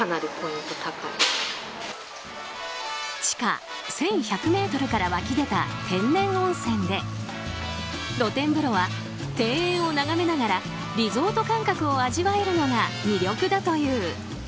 地下１１００ｍから湧き出た天然温泉で露天風呂は庭園を眺めながらリゾート感覚を味わえるのが魅力だという。